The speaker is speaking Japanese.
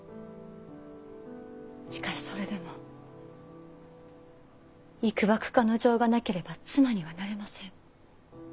しかしそれでもいくばくかの情がなければ妻にはなれません。